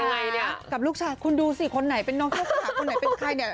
ยังไงนะกับลูกชายคุณดูสิคนไหนเป็นน้องเจ้าขาคนไหนเป็นใครเนี่ย